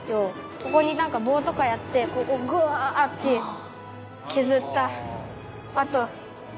ここになんか棒とかやってここグワーッて削った跡。